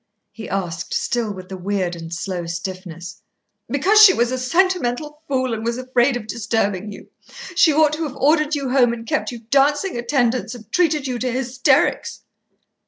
he asked, still with the weird and slow stiffness. "Because she was a sentimental fool, and was afraid of disturbing you. She ought to have ordered you home and kept you dancing attendance, and treated you to hysterics."